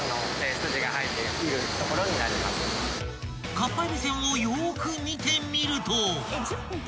［かっぱえびせんをよく見てみると］